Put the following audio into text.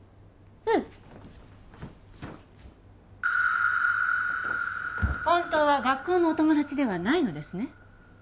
ううん本当は学校のお友達ではないのですね